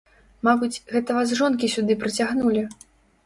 Мабыць, гэта вас жонкі сюды прыцягнулі!